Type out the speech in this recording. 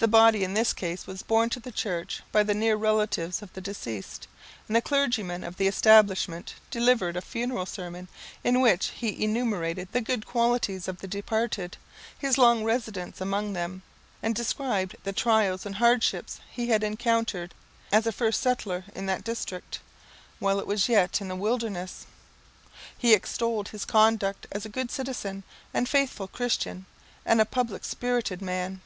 The body in this case was borne to the church by the near relatives of the deceased; and a clergyman of the establishment delivered a funeral sermon, in which he enumerated the good qualities of the departed, his long residence among them, and described the trials and hardships he had encountered as a first settler in that district, while it was yet in the wilderness. He extolled his conduct as a good citizen, and faithful Christian, and a public spirited man.